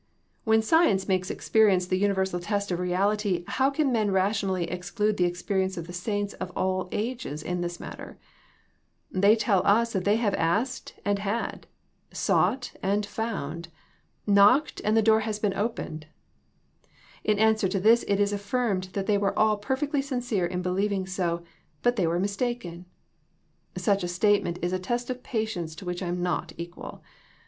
When science makes experience the universal test of reality how can men rationally exclude the experience of the saints of all ages in this matter ? They tell us they have asked and had ; sought and found ; knocked and the door has been opened. In answer to this it is affirmed that they were all perfectly sincere in believing so, but they were mistaken. Such a statement is a test of patience to which I am not equal.